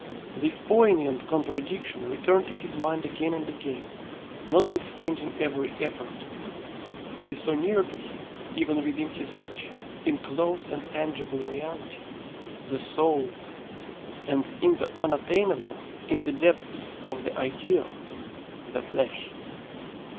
This poignant contradiction returned to his mind again and again, notwithstanding every effort. He saw near to him, even within his reach, in close and tangible reality, the soul; and in the unattainable in the depths of the ideal the flesh.